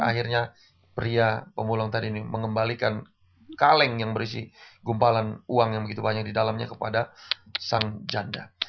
akhirnya pria pemulung tadi ini mengembalikan kaleng yang berisi gumpalan uang yang begitu banyak di dalamnya kepada sang janda